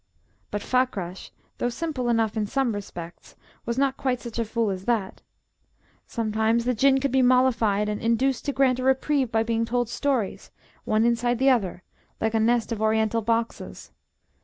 But Fakrash, though simple enough in some respects, was not quite such a fool as that. Sometimes the Jinn could be mollified and induced to grant a reprieve by being told stories, one inside the other, like a nest of Oriental boxes.